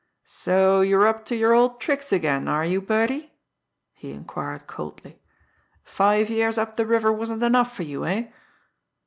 "So you're up to your old tricks again, are you, Birdie?" he inquired coldly. "Five years up the river wasn't enough for you eh?"